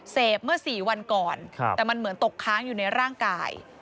เมื่อ๔วันก่อนแต่มันเหมือนตกค้างอยู่ในร่างกาย